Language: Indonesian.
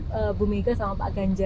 mbak bu mega sama pak ganjar